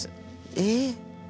えっ！？